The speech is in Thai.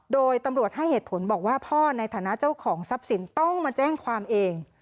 โดยตำรวจให้เหตุผลบอกว่าพ่อในฐานะเจ้าของทรัพย์สินต้องมาแจ้งความเอง